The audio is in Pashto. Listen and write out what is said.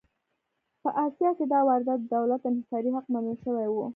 په اسیا کې دا واردات د دولت انحصاري حق منل شوي وو.